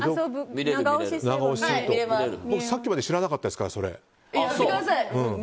僕、さっきまで知らなかったですから、それ。